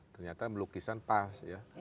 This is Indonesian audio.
ternyata lukisan pas ya